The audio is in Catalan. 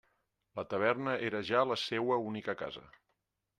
La taverna era ja la seua única casa.